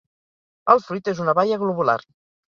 El fruit és una baia globular.